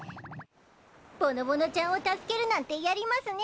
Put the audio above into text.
ぼのぼのちゃんを助けるなんてやりますねえ。